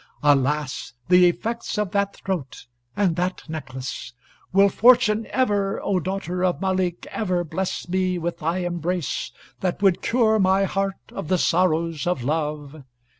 Alas! the effects of that throat and that necklace! Will fortune ever, O daughter of Malik, ever bless me with thy embrace, that would cure my heart of the sorrows of love?